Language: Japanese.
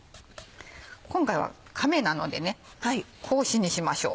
今回は亀なので格子にしましょう。